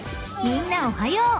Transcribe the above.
［みんなおはよう］